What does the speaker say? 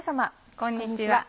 こんにちは。